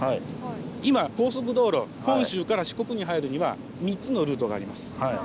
今高速道路本州から四国に入るには３つのルートがあります。